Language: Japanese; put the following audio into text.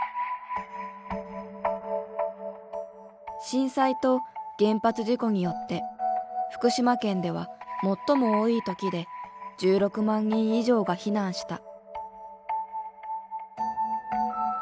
震災と原発事故によって福島県では最も多い時で１６万人以上が避難した。